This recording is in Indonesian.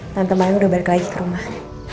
tante mayung udah balik lagi ke rumah